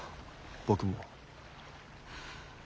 僕も。